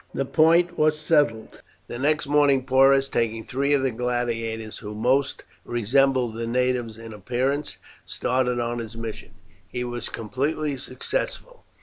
This point was settled. The next morning Porus, taking three of the gladiators who most resembled the natives in appearance, started on his mission. He was completely successful.